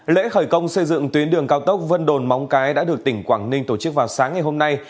lễ khởi công xây dựng tuyến đường cao tốc vân đồn móng cái đã được tỉnh quảng ninh tổ chức vào sáng ngày hôm nay